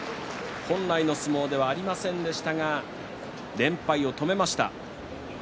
本来の相撲ではありませんでしたが連敗を止めました。